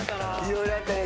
色々あったね